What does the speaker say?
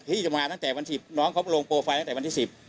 พี่จะมาตั้งแต่วันที่น้องเขาลงโปรไฟล์ตั้งแต่วันที่๑๐